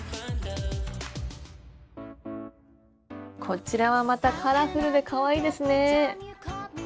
こちらはまたカラフルでかわいいですね。